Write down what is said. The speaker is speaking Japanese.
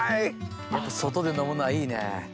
やっぱ外で飲むのはいいね。